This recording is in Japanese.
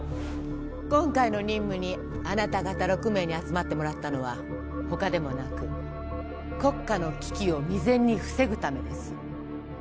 今回の任務にあなた方６名に集まってもらったのはほかでもなく国家の危機を未然に防ぐためです